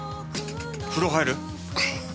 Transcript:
風呂入る？